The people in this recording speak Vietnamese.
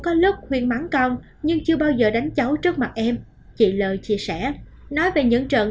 có lúc khuyên mắn con nhưng chưa bao giờ đánh cháu trước mặt em chị l chia sẻ nói về những trận